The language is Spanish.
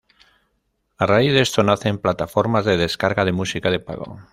A raíz de esto nacen plataformas de descarga de música de pago.